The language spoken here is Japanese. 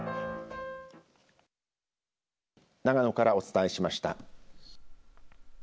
長野からお伝えしました。